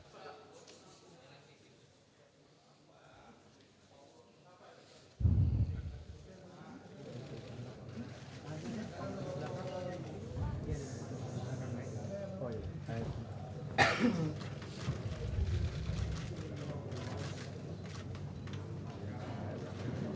baik bapak ibu selanjutnya kepada bapak ibu pimpinan partai politik peserta pemilu